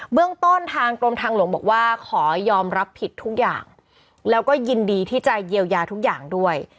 เรื่องต้นทางกรมทางหลวงบอกว่าขอยอมรับผิดทุกอย่างแล้วก็ยินดีที่จะเยียวยาทุกอย่างด้วย